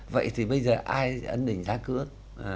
vậy thì bây giờ ai ấn định giá cước